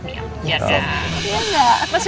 huh ini apa sih